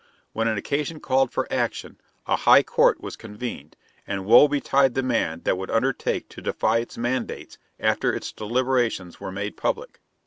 When an occasion called for action, a "high court" was convened, and woe betide the man that would undertake to defy its mandates after its deliberations were made public!